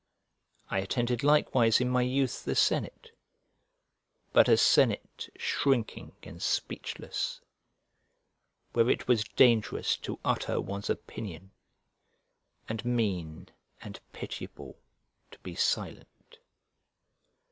I attended likewise in my youth the senate, but a senate shrinking and speechless; where it was dangerous to utter one's opinion, and mean and pitiable to be silent.